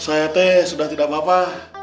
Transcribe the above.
saya teh sudah tidak apa apa